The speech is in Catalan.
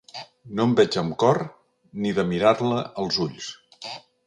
No em veig amb cor ni de mirar-la als ulls.